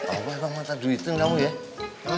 apa emang mata duitnya kamu ya